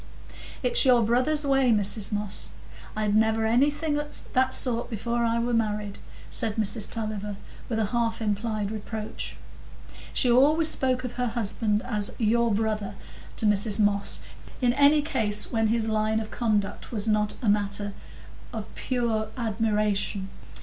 "It's your brother's way, Mrs Moss; I'd never anything o' that sort before I was married," said Mrs Tulliver, with a half implied reproach. She always spoke of her husband as "your brother" to Mrs Moss in any case when his line of conduct was not matter of pure admiration.